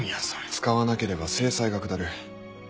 使わなければ制裁が下る。